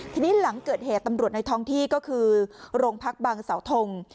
ทีนี้หลังเกิดเหตุตำรวจในท้องที่ก็คือโรงพักบางเสาทง